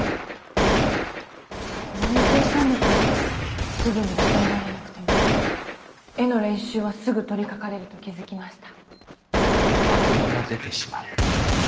コミュニケーション力はすぐに鍛えられなくても絵の練習はすぐ取りかかれると気付きました。